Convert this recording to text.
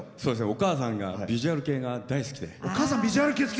お母さんがヴィジュアル系が大好きでして。